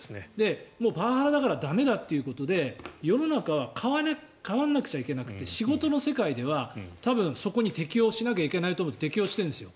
もうパワハラだから駄目だということで世の中は変わらなくちゃいけなくて仕事の世界では多分そこに適応しないといけないと思って適応しているんですよ。